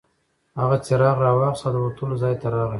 هغه څراغ راواخیست او د وتلو ځای ته راغی.